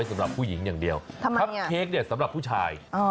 ค่าเค้กเนี้ยสำหรับผู้ชาย